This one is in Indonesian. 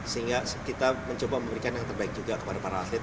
sehingga kita mencoba memberikan yang terbaik juga kepada para atlet